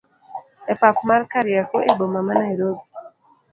e pap mar kariokor e boma ma Nairobi